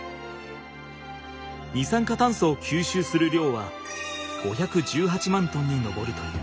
二酸化炭素を吸収する量は５１８万トンに上るという。